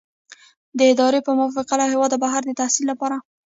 د ادارې په موافقه له هیواده بهر د تحصیل لپاره.